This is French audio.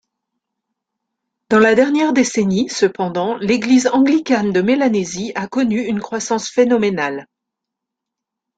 Dans la dernière décennie, cependant, l'Église anglicane de Mélanésie a connu une croissance phénoménale.